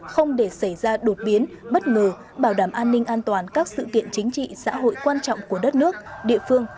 không để xảy ra đột biến bất ngờ bảo đảm an ninh an toàn các sự kiện chính trị xã hội quan trọng của đất nước địa phương